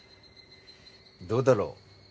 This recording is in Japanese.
どうだろう？